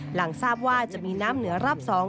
หลังทราบว่าจะมีน้ำเหนือรอบ๒